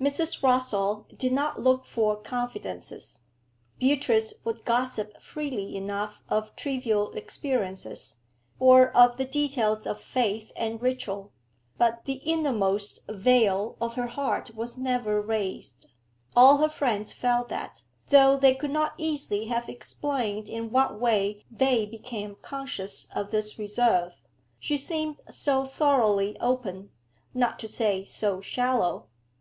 Mrs. Rossall did not look for confidences. Beatrice would gossip freely enough of trivial experiences, or of the details of faith and ritual, but the innermost veil of her heart was never raised; all her friends felt that, though they could not easily have explained in what way they became conscious of this reserve, she seemed so thoroughly open, not to say so shallow.